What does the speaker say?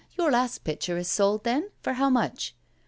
Your last picture is sold, then? For how much?"